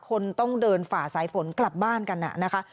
คนต้องเดินฝ่าสายฝนกลับบ้านกันนะคะ